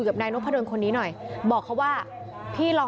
อุทธิวัฒน์อิสธิวัฒน์